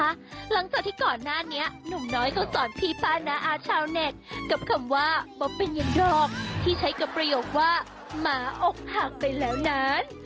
หลังจากที่ก่อนหน้านี้หนุ่มน้อยเขาสอนพี่ป้าน้าอาชาวเน็ตกับคำว่าบปัญญาดอกที่ใช้กับประโยคว่าหมาอกหักไปแล้วนั้น